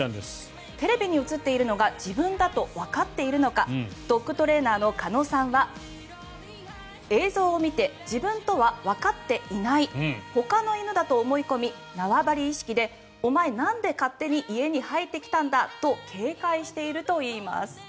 テレビに映っているのが自分だとわかっているのかドッグトレーナーの鹿野さんは映像を見て自分とはわかっていないほかの犬だと思い込み縄張り意識でお前なんで勝手に家に入ってきたんだと警戒しているといいます。